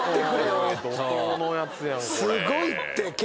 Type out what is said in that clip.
すごいって。